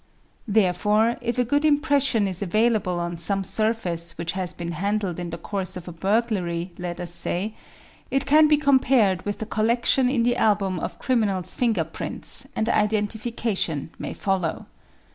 Therefore, if a good impression is available on some siurf ace which has been handled in the course of a burglary, let us say; it can be compared with the collection in the album of criminals' finger prints, and identification may follow.